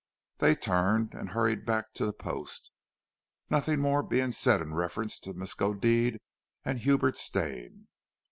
They turned and hurried back to the Post, nothing more being said in reference to Miskodeed and Hubert Stane.